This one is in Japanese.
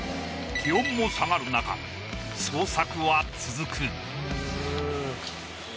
気温も下がる中創作は続く。